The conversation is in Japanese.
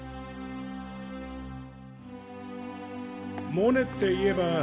モネっていえば。